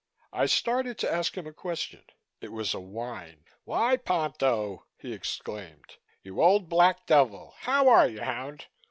I started to ask him a question. It was a whine. "Why Ponto!" he exclaimed. "You old black devil. How are you, hound?